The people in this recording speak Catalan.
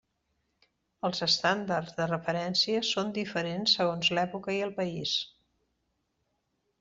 Els estàndards de referència són diferents segons l'època i el país.